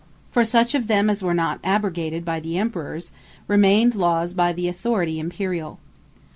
For such of them as were not abrogated by the Emperours, remained Lawes by the Authority Imperiall.